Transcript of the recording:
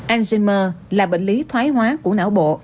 alzheimer là bệnh lý thoái hóa của não bộ